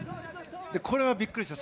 これはびっくりした。